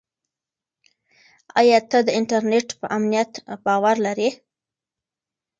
آیا ته د انټرنیټ په امنیت باور لرې؟